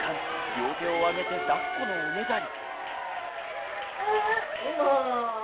両手を上げてだっこのおねだり。